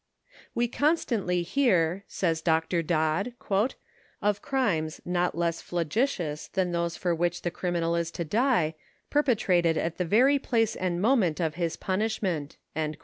We constantly hear," says Dr. Dodd, " of crimes not less flagitious than those for which the criminal is to die, perpe trated at the very place and moment of his punishment."